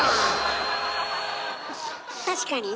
確かにね